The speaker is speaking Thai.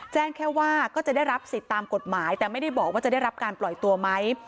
แจ้งแค่ว่าก็จะได้รับสิทธิ์ตามกฎหมายแต่ไม่ได้บอกว่าจะได้รับการปล่อยตัวไหม